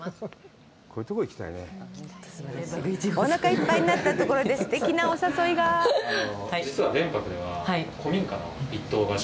おなかいっぱいになったところですてきなお誘いが行きます！